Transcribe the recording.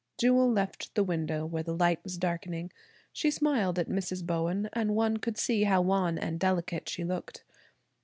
Jewel left the window where the light was darkening. She smiled at Mrs. Bowen and one could see how wan and delicate she looked.